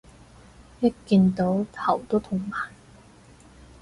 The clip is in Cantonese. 一見到頭都痛埋